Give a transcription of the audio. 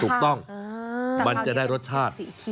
ถูกต้องมันจะได้รสชาติ